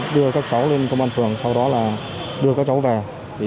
đưa các cháu lên công an phường sau đó là đưa các cháu về